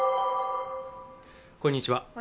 こんにちは